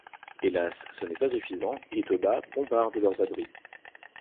Hélas, ce n'est pas suffisant et Toba bombarde leur abris.